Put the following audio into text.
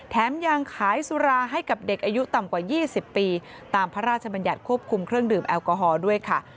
ยังขายสุราให้กับเด็กอายุต่ำกว่า๒๐ปีตามพระราชบัญญัติควบคุมเครื่องดื่มแอลกอฮอล์ด้วยค่ะ